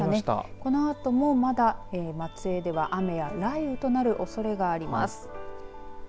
このあとも、まだ松江では雨や雷雨となるおそれがあります。